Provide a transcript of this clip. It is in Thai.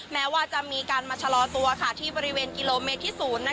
แม้ว่าจะมีการมาชะลอตัวที่บริเวณกิโลเมตรที่๐